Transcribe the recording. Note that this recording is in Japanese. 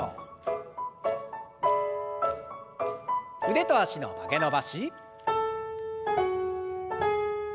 腕と脚の曲げ伸ばし。